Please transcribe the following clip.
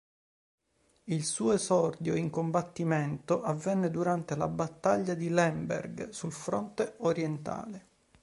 Il suo esordio in combattimento avvenne durante la battaglia di Lemberg, sul fronte orientale.